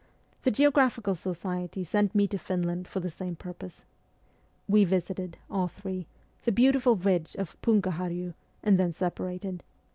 The Geographical Society sent me to Finland for the same purpose. "We visited, all three, the beautiful ridge of Pungaharju and then separated.